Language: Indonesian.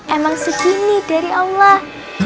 emang segini dari allah